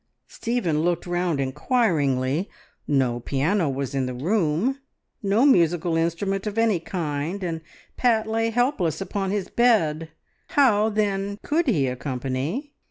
Stephen looked round inquiringly. No piano was in the room, no musical instrument of any kind, and Pat lay helpless upon his bed. How, then, could he accompany?